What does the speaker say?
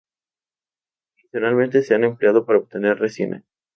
Tradicionalmente se han empleado para obtener resina.